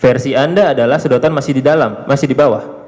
versi anda adalah sedotan masih di dalam masih di bawah